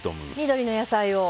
緑の野菜を。